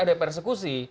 nanti ada persepusi